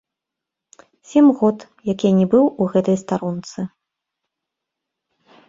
Сем год, як я не быў у гэтай старонцы.